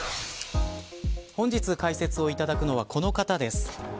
本日、解説をいただくのはこの方です。